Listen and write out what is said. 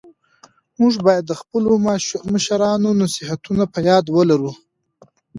موږ بايد د خپلو مشرانو نصيحتونه په ياد ولرو.